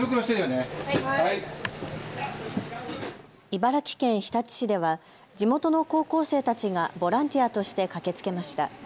茨城県日立市では地元の高校生たちがボランティアとして駆けつけました。